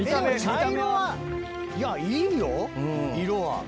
茶色はいやいいよ色は。